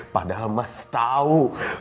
padahal mas tau